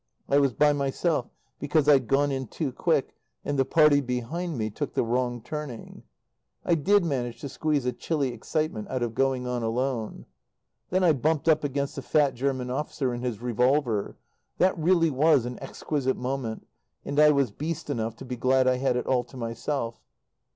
I was by myself, because I'd gone in too quick, and the "party" behind me took the wrong turning. I did manage to squeeze a chilly excitement out of going on alone. Then I bumped up against a fat German officer and his revolver. That really was an exquisite moment, and I was beast enough to be glad I had it all to myself.